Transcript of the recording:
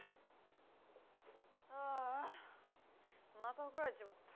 ああまたおこられちまった！